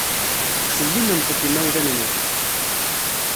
Ttsellimemt ɣef yimawlan-nwent.